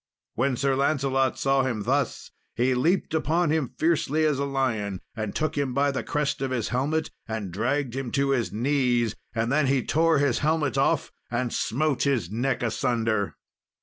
When Sir Lancelot saw him thus, he leaped upon him fiercely as a lion, and took him by the crest of his helmet, and dragged him to his knees; and then he tore his helmet off and smote his neck asunder.